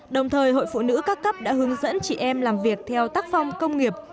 đồng thời hội phụ nữ các cấp đã hướng dẫn chị em làm việc theo tác phong công nghiệp